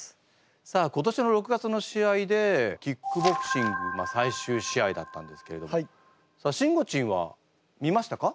さあ今年の６月の試合でキックボクシング最終試合だったんですけれどもしんごちんは見ましたか？